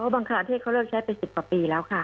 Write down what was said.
บางคราเทศเขาเลิกใช้ไป๑๐กว่าปีแล้วค่ะ